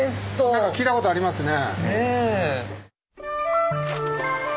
なんか聞いたことありますねえ。